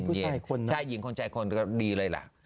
ผู้หญิงผู้ชายคนนะ